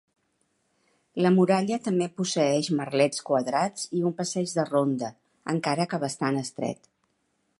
La muralla també posseeix merlets quadrats i un passeig de ronda, encara que bastant estret.